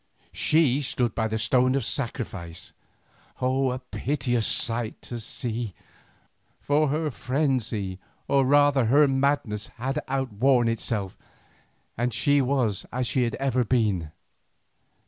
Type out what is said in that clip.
She stood by the stone of sacrifice, a piteous sight to see, for her frenzy or rather her madness had outworn itself, and she was as she had ever been.